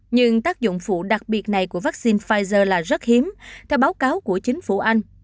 nhưng tác dụng phụ đặc biệt này của vaccine pfizer là rất hiếm theo báo cáo của chính phủ anh